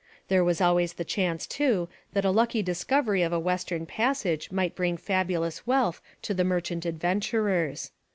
There was always the chance, too, that a lucky discovery of a Western Passage might bring fabulous wealth to the merchant adventurers.